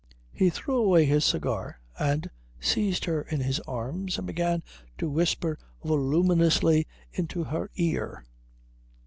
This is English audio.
He threw away his cigar and seized her in his arms and began to whisper voluminously into her ear.